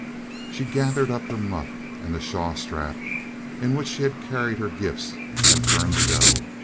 She gathered up her muff and the shawl strap in which she had carried her gifts, and turned to go.